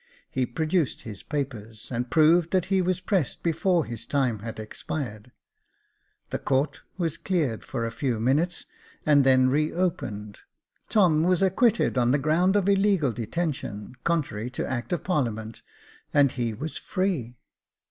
He produced his papers, and proved that he was pressed before his time had expired. The court was cleared for a few minutes, and then re opened. Tom was acquitted on the ground of illegal detention, contrary to act of parliament, and he was free.